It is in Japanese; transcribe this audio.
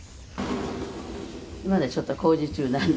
「まだちょっと工事中なので」